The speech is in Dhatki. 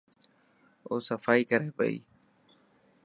او صفائي ڪري پئي.